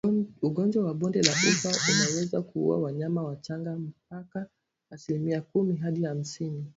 Ugonjwa wa bonde la ufa unaweza kuua wanyama wachanga mpaka asilimia kumi hadi hamsini